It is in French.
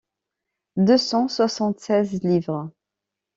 deux cent soixante-seize livres.